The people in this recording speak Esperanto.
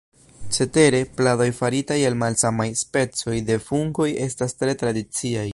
Cetere, pladoj faritaj el malsamaj specoj de fungoj estas tre tradiciaj.